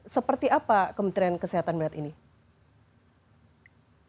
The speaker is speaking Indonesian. seperti apa kementerian kesehatan melihat ini